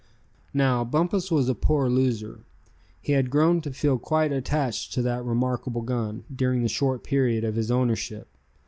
Now, Bumpus was a poor loser. He had grown to feel quite attached to that remarkable gun, during the short period of his ownership.